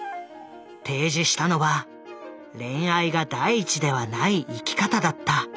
提示したのは恋愛が第一ではない生き方だった。